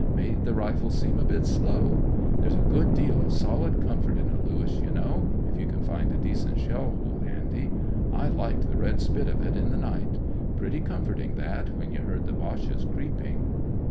Made the rifles seem a bit slow. There's a good deal of solid comfort in a Lewis, you know, if you can find a decent shell hole handy. I liked the red spit of it m the night. Pretty comforting that when you heard the Boches creeping."